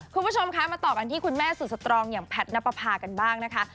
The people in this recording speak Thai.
คุณผู้ชมคะมาต่อกันที่คุณแม่สุดสตรองอย่างแพทย์นับประพากันบ้างนะคะ